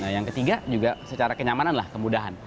yang ketiga juga secara kenyamanan lah kemudahan